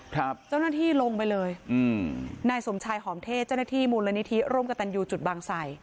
เจ้าหน้าที่ลงไปเลยอืมนายสมชายหอมเทศเจ้าหน้าที่มูลนิธิร่วมกับตันยูจุดบางใส่